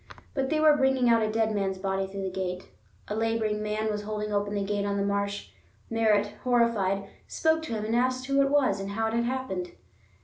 But they were bringing out a dead man's body through the gate. A laboring man was holding open the gate on the marsh. Merritt, horrified, spoke to him and asked who it was, and how it had happened.